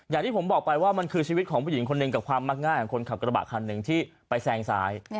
อย่างที่ผมบอกไปว่ามันคือชีวิตของผู้หญิงคนหนึ่งกับความมักง่ายของคนขับกระบะคันหนึ่งที่ไปแซงซ้าย